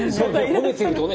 褒めてるとね。